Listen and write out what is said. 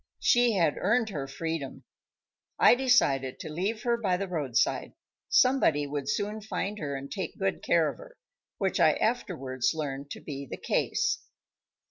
She had earned her freedom. I decided to leave her by the roadside. Somebody would soon find her, and take good care of her; which I afterwards learned to be the case.